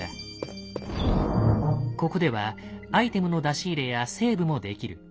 ここではアイテムの出し入れやセーブもできる。